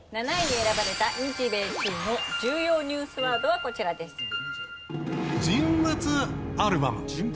７位に選ばれた日米中の重要ニュースワードはこちらです。